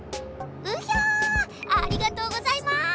うひゃありがとうございます！